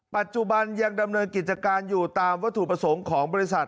ปัจจุบันยังดำเนินกิจการอยู่ตามวัตถุประสงค์ของบริษัท